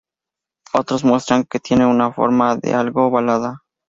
Otros muestran que tiene una forma algo ovalada.